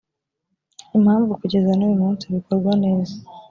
impamvu kugeza n uyu munsi bikorwa neza